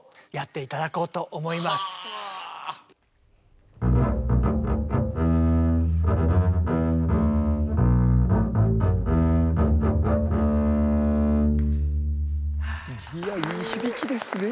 いやいい響きですね。